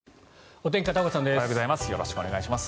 おはようございます。